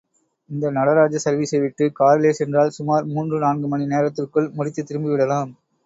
இந்த நடராஜா சர்வீசை விட்டு காரிலே சென்றால் சுமார் மூன்று நான்கு மணி நேரத்திற்குள் முடித்துத் திரும்பி விடலாம்.